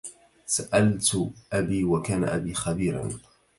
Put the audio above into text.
سألت أبي وكان أبي خبيرا